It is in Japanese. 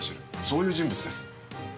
そういう人物です。